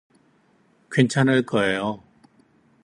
괜찮을 거에요.